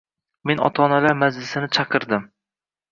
Men ota-onalar majlisini chaqirdim.